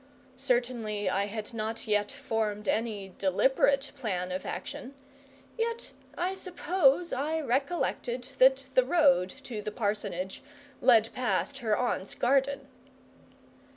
Certainly I had not yet formed any deliberate plan of action; yet I suppose I recollected that the road to the Parsonage led past her aunt's garden.